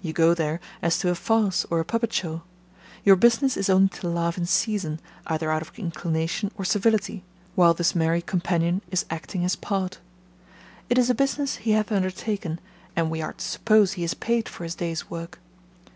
You go there as to a farce or a puppetshow; your business is only to laugh in season, either out of inclination or civility, while this merry companion is acting his part. It is a business he hath undertaken, and we are to suppose he is paid for his day's work.